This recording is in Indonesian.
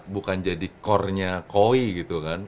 bukan jadi core nya koi gitu kan